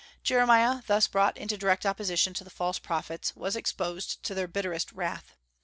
Jeremiah, thus brought into direct opposition to the false prophets, was exposed to their bitterest wrath.